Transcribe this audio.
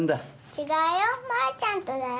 違うよ丸ちゃんとだよ。